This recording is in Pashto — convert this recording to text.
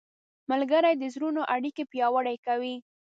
ملګري د زړونو اړیکې پیاوړې کوي.